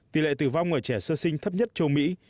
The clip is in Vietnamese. tỷ lệ tử vong ở trẻ sơ sinh thấp nhất châu mỹ